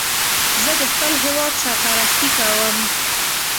زه د خپل هېواد سرپرستی کوم